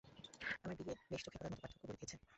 আমার বিয়ে বেশ চোখে পড়ার মতো পার্থক্য গড়ে দিয়েছে।